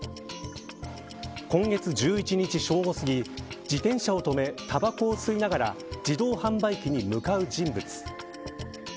今月、１１日正午すぎ自転車を止めたばこを吸いながら自動販売機に向かう人物。